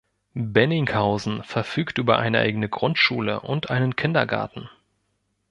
Benninghausen verfügt über eine eigene Grundschule und einen Kindergarten.